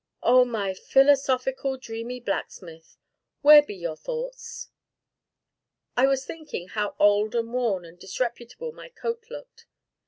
"Oh, most philosophical, dreamy blacksmith! where be your thoughts?" "I was thinking how old and worn and disreputable my coat looked."